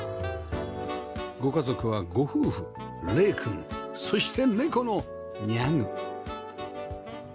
ご家族はご夫婦玲くんそして猫のニャグ